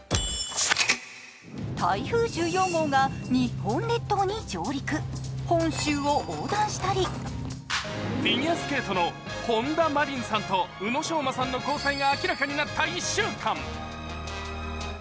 台風１４号が日本列島に上陸、本州を横断したりフィギュアスケートの本田真凜さんと宇野昌磨さんの交際が明らかになった１週間。